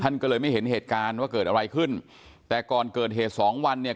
ก็เลยไม่เห็นเหตุการณ์ว่าเกิดอะไรขึ้นแต่ก่อนเกิดเหตุสองวันเนี่ย